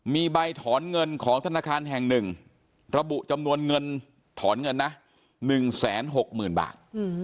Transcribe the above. มีใบถอนเงินของธนาคารแห่ง๑ระบุจำนวนเงินถอนเงินนะ๑๖๐๐๐บาท